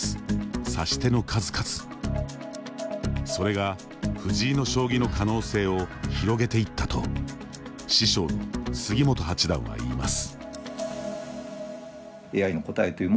それが藤井の将棋の可能性を広げていったと師匠の杉本八段は言います。